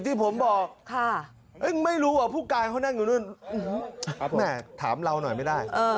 ที่ผมบอกไม่รู้ว่าผู้การเขานั่งอยู่นู่นแม่ถามเราหน่อยไม่ได้